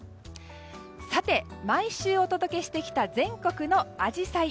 さて、毎週お届けしてきた全国のアジサイ。